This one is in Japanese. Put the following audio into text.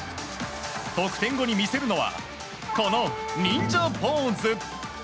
得点後に見せるのはこの忍者ポーズ。